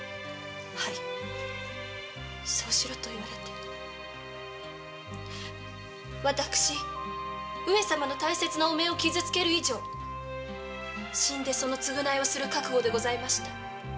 そうしろと言われて私上様の大切なお面を傷つける以上死んでその償いをする覚悟でございました。